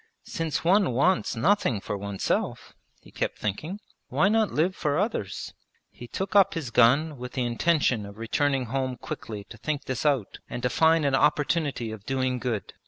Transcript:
'Since one wants nothing for oneself,' he kept thinking, 'why not live for others?' He took up his gun with the intention of returning home quickly to think this out and to find an opportunity of doing good.